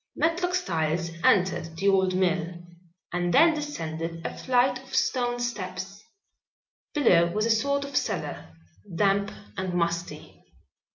Matlock Styles entered the old mill and then descended a flight of stone steps. Below was a sort of cellar, damp and musty.